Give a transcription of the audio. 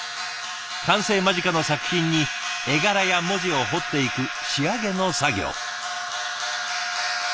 完成間近の作品に絵柄や文字を彫っていく仕上げの作業。